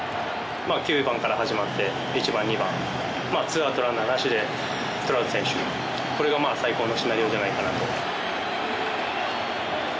９番から始まって１番、２番ツーアウト、ランナーなしでトラウト選手これが最高のシナリオじゃないかなと。